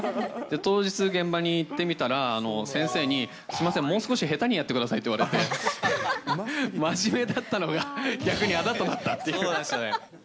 当日、現場に行ってみたら、先生に、すみません、もう少し下手にやってくださいと言われて、真面目だったのが、逆にあだとなったっていう。